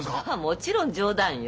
もちろん冗談よ。